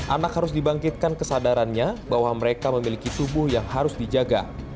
anak harus dibangkitkan kesadarannya bahwa mereka memiliki tubuh yang harus dijaga